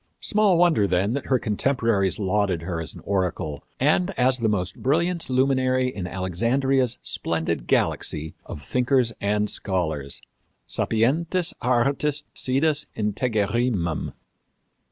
Small wonder, then, that her contemporaries lauded her as an oracle and as the most brilliant luminary in Alexandria's splendid galaxy of thinkers and scholars sapientis artis sidus integerrimum.